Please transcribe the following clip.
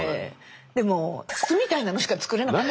でも筒みたいなのしか作れなかった。